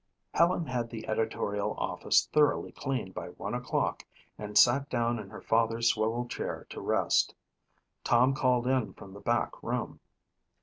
Helen had the editorial office thoroughly cleaned by one o'clock and sat down in her father's swivel chair to rest. Tom called in from the back room.